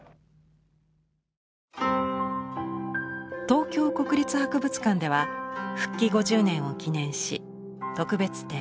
東京国立博物館では復帰５０年を記念し特別展